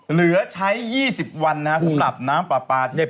เหลือใช้๒๐วันนะครับสำหรับน้ำป่าปัญญา